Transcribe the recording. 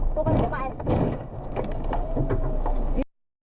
พูดให้มันไป